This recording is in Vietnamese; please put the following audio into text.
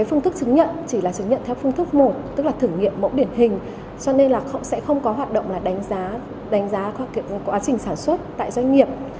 phương thức chứng nhận chỉ là chứng nhận theo phương thức một tức là thử nghiệm mẫu điển hình cho nên họ sẽ không có hoạt động đánh giá quá trình sản xuất tại doanh nghiệp